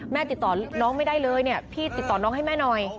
ติดต่อน้องไม่ได้เลยเนี่ยพี่ติดต่อน้องให้แม่หน่อย